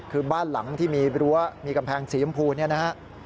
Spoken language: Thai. คือบ้านหลังที่มีรั้วมีกำแพงสีชมพูเนี่ยนะฮะ